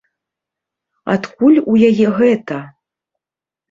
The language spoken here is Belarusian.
Адкуль у яе гэта?